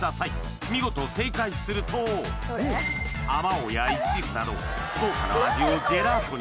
見事あまおうやイチジクなど福岡の味をジェラートに！